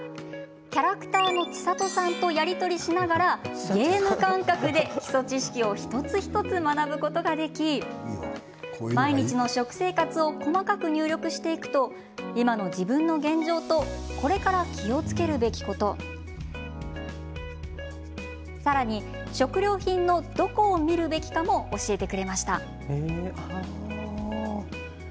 キャラクターの千里さんとやり取りしながらゲーム感覚で基礎知識を一つ一つ学ぶことができ毎日の食生活を細かく入力していくと今の自分の現状とこれから気をつけるべきことさらに食料品のどこを見るべきかも教えてくれました。